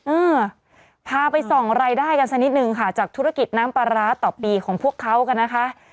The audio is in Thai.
อ่าพาไปส่องรายได้กันสักนิดนึงค่ะจากธุรกิจน้ำปลาร้าต่อปีของพวกเขากันนะคะ